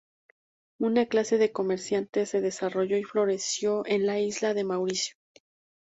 Una clase de comerciantes se desarrolló y floreció en la isla de Mauricio.